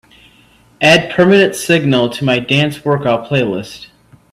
Add Permanent Signal to my dance workout playlist.